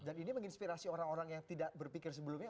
ini menginspirasi orang orang yang tidak berpikir sebelumnya